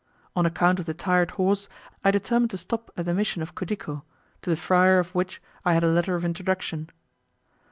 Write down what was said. On account of the tired horse, I determined to stop at the Mission of Cudico, to the friar of which I had a letter of introduction.